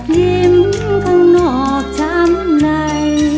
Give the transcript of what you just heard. ยิ้มข้างนอกทำไง